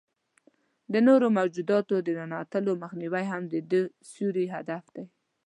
د نورو موجوداتو د ننوتلو مخنیوی هم د دې سوري هدف دی.